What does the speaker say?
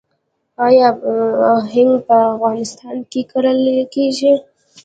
آیا هنګ په افغانستان کې کرل کیږي؟